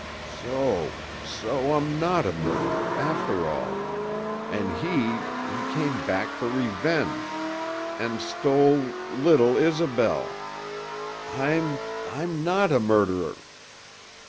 So so I'm not a murderer after all. An' he he came back for revenge and stole little Isobel. I'm I'm not a murderer.